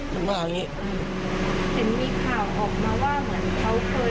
มากันเนี้ย